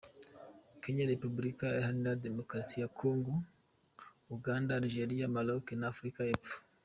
Kenya, Repubulika Iharanira Demokarasi ya Kongo, Uganda, Algeria, Maroc na Afurika y’Epfo .